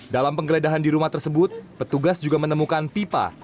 dalam penggeledahan di rumah tersebut petugas juga menemukan pipa